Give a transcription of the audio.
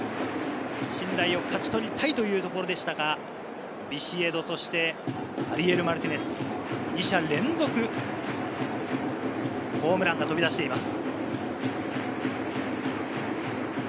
信頼を勝ち取りたいというところでしたが、ビシエド、アリエル・マルティネス、２者連続ホームランが飛び出しています。